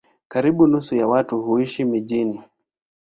Karibu nusu ya watu huishi mijini.